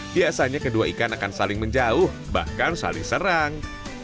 biasanya kedua ikan akan saling menjauh bahkan saling serang